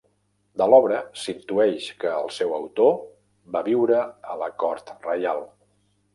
De l'obra s'intueix que el seu autor va viure a la cort reial.